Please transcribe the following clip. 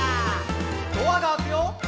「ドアが開くよ」